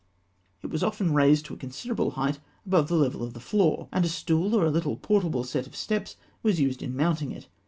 It was often raised to a considerable height above the level of the floor, and a stool, or a little portable set of steps, was used in mounting it.